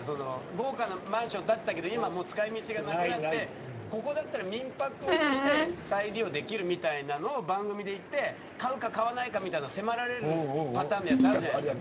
豪華なマンションがあるけど使い道がないからここなら民泊として再利用できるみたいなのを番組としていって買うか買わないか迫られるパターンのやつあるじゃないですか。